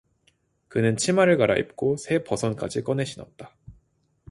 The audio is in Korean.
그는 치마를 갈아입고 새 버선까지 꺼내 신었다.